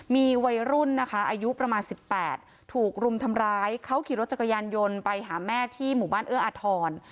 มีวัยรุ่นนะคะอายุประมาณ๑๘ถูกรุมทำร้ายเขาขี่รถจักรยานยนต์ไปหาแม่ที่หมู่บ้านเอื้ออาทร